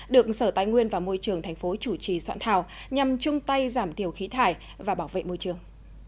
được sở tài nguyên và môi trường tp hcm chủ trì soạn thảo nhằm chung tay giảm thiểu khí thải và bảo vệ môi trường